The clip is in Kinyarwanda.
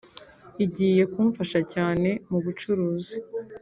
Igiye kumfasha cyane mu bucuruzi